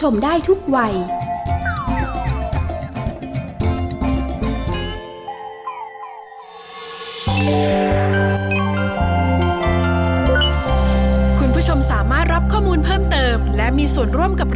ไปกิ๊กก็หล่อแล้วค่ะ